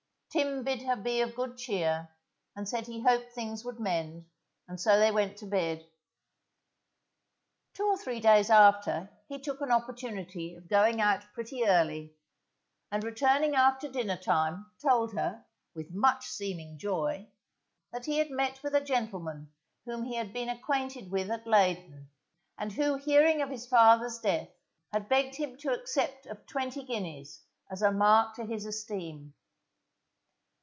Tim bid her be of good cheer, and said he hoped things would mend, and so they went to bed. Two or three days after, he took an opportunity of going out pretty early, and returning about dinner time, told her, with much seeming joy, that he had met with a gentleman whom he had been acquainted with at Leyden, and who hearing of his father's death, had begged him to accept of twenty guineas as a mark to his esteem.